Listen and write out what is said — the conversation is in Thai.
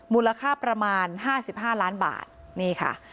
มูลค่าประมาณ๕๕ล้านบาทนี่ค่ะ